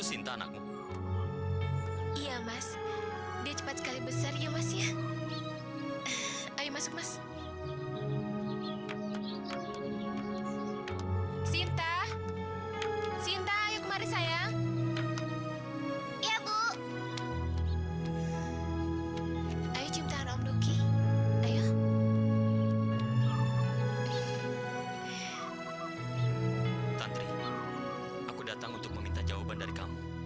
sinta cintaan bapak